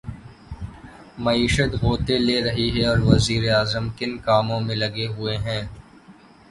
معیشت غوطے لے رہی ہے اور وزیر اعظم کن کاموں میں لگے ہوئے ہیں۔